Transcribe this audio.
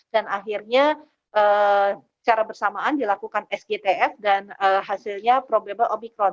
dan akhirnya secara bersamaan dilakukan sgtf dan hasilnya probable omikron